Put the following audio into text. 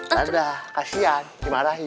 dadah kasian dikmarahi